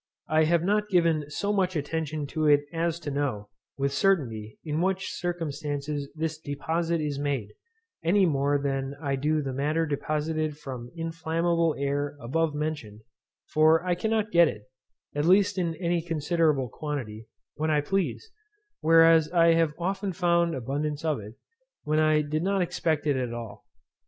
I have not given so much attention to it as to know, with certainty, in what circumstances this deposit is made, any more than I do the matter deposited from inflammable air above mentioned; for I cannot get it, at least in any considerable quantity, when I please; whereas I have often found abundance of it, when I did not expect it at all.